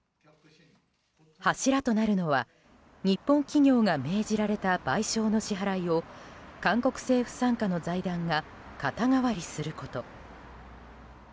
柱となるのは日本企業が命じられた賠償の支払いを韓国政府傘下の財団が肩代わりすること。